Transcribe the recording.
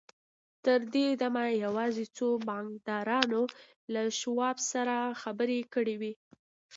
تر دې دمه يوازې څو بانکدارانو له شواب سره خبرې کړې وې.